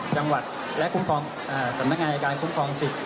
จังหวัดและคุ้มครองสำนักงานอายการคุ้มครองสิทธิ